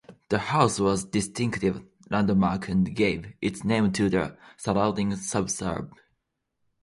The house was a distinctive landmark and gave its name to the surrounding suburb.